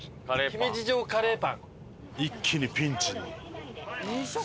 姫路城カレーパン？